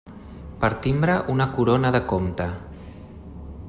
Per timbre una corona de comte.